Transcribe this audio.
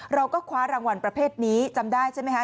เราก็คว้ารางวัลประเภทนี้จำได้ใช่ไหมคะ